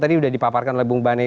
tadi sudah dipaparkan oleh bung bane